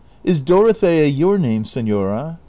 is Dorothea your name, senora